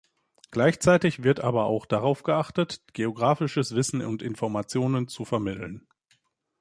Gleichzeitig wird aber auch darauf geachtet, geographisches Wissen und Informationen zu vermitteln.